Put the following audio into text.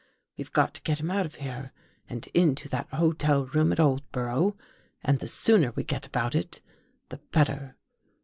We've got to get him out of here and into that hotel room at Old borough and the sooner we get about it the better.